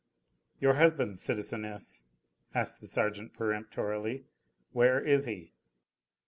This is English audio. "Your husband, citizeness," asked the sergeant peremptorily, "where is he?"